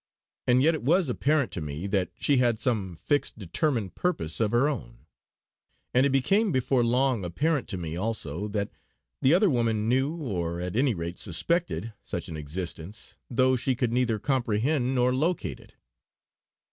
And yet it was apparent to me that she had some fixed, determined purpose of her own; and it became before long apparent to me also, that the other woman knew, or at any rate suspected, such an existence, though she could neither comprehend nor locate it.